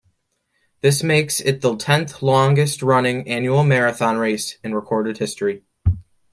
This makes it the tenth longest running annual marathon race in recorded history.